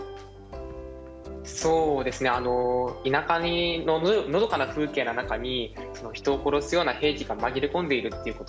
そうですね田舎ののどかな風景の中に人を殺すような兵器が紛れ込んでいるっていうこと。